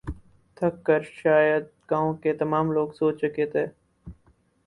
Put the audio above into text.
تھک کر شاید گاؤں کے تمام لوگ سو چکے تھے